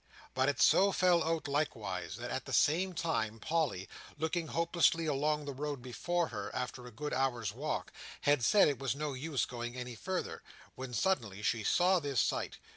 But it so fell out likewise, that, at the same time, Polly, looking hopelessly along the road before her, after a good hour's walk, had said it was no use going any further, when suddenly she saw this sight.